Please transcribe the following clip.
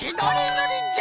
ぬりじゃ！